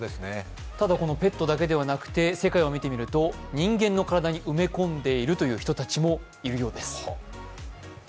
ただペットだけではなくて世界を見てみると人間の体に埋め込んでいるという人もいるそうです。